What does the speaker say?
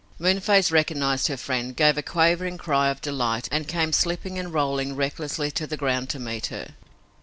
Moonface recognized her friend, gave a quavering cry of delight and came slipping and rolling recklessly to the ground to meet her.